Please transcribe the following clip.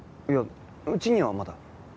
いやうちにはまだ。